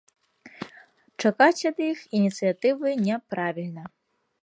Чакаць ад іх ініцыятывы няправільна.